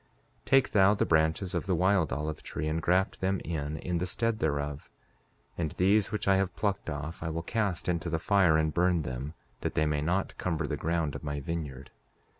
5:9 Take thou the branches of the wild olive tree, and graft them in, in the stead thereof; and these which I have plucked off I will cast into the fire and burn them, that they may not cumber the ground of my vineyard.